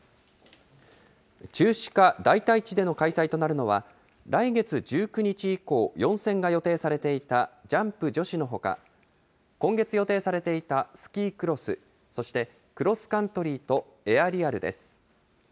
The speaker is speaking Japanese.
中止か代替地での開催となるのは、来月１９日以降、４戦が予定されていたジャンプ女子のほか、今月予定されていたスキークロス、そして、クロスカントリーとエアリアルです。